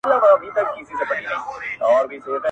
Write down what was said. چي « غلي انقلاب » ته یې زلمي هوښیاروله-